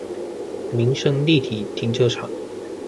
民生立體停車場